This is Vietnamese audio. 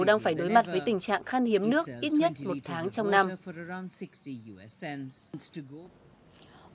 đang phải đối mặt với tình trạng khăn hiếm nước ít nhất một tháng trong năm